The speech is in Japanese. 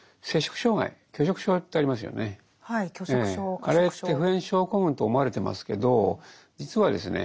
あれって普遍症候群と思われてますけど実はですね